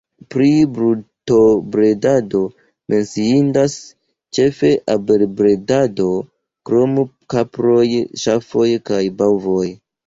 Pri brutobredado menciindas ĉefe abelbredado, krom kaproj, ŝafoj kaj bovoj.